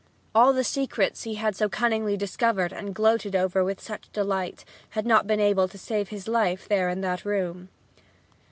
All the secrets he had so cunningly discovered and gloated over with such delight had not been able to save his life there in that room.